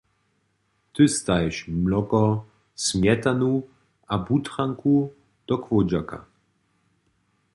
Ty stajiš mloko, smjetanu a butranku do chłódźaka.